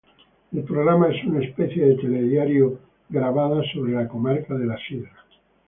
El programa es una especie de telediario, grabado, sobre la Comarca de la Sidra.